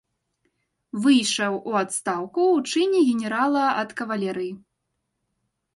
Выйшаў у адстаўку ў чыне генерала ад кавалерыі.